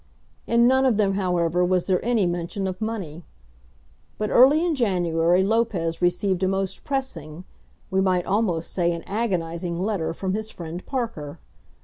In none of them, however, was there any mention of money. But early in January Lopez received a most pressing, we might almost say an agonising letter from his friend Parker.